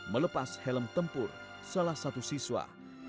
melepas helm tempur salah satu siswa